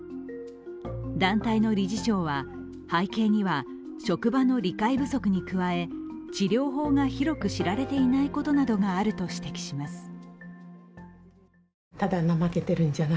団体の理事長は、背景には職場の理解不足に加え治療法が広く知られていないことなどがあると指摘します。